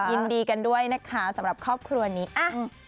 ยินดีกันด้วยนะคะสำหรับครอบครัวนี้อ่ะ